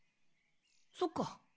そっか。